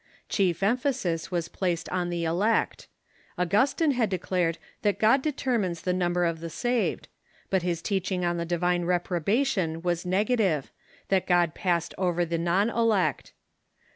Chief emphasis was placed on the elect. Au . XL . gustine had declared that God determines the num Anthropology ber of the saved ; but his teaching on the divine reprobation was negative — that God passed over the non elect.